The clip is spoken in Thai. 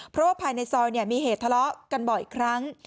เพราะว่าภายในซอยมีเหตุทะเลาะกันบ่อยครั้ง